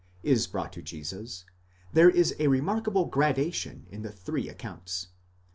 is brought to Jesus, there is a remarkable gradation in the three accounts.